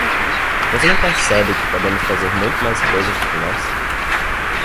Você não percebe que podemos fazer muito mais coisas do que nós?